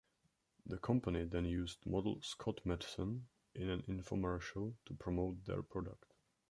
The company then used model Scott Madsen in an infomercial to promote their product.